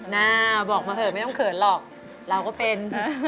หน้าบอกมาเถอะไม่ต้องเขินหรอกเราก็เป็น